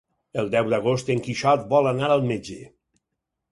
El deu d'agost en Quixot vol anar al metge.